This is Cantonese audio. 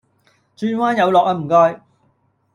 轉彎有落呀唔該